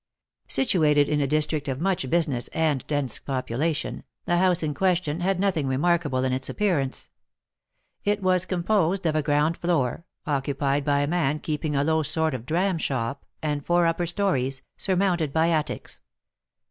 Situated in a district of much business and dense population, the house in question had nothing remarkable in its appearance; it was composed of a ground floor, occupied by a man keeping a low sort of dram shop, and four upper stories, surmounted by attics.